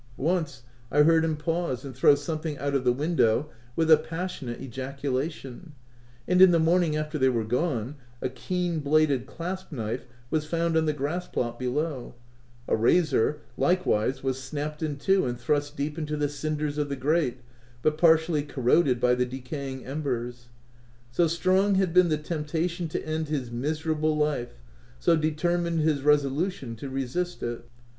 Once I heard him pause and throw something out of the window, with a passionate ejaculation ; and in the morning, after they were gone, a keen bladed clasp knife was found on the grass plot below ; a razor, likewise was snapped in two and thrust deep into the cinders of the grate, but partially corroded by the decaying embers. So strong had been the temptation to end his miserable life, so determined his resolution to resist it.